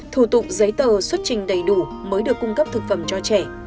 thủ tục giấy tờ xuất trình đầy đủ mới được cung cấp thực phẩm cho trẻ